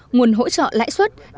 nguồn hỗ trợ lãi suất